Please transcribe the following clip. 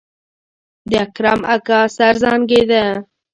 د اکرم اکا سر زانګېده.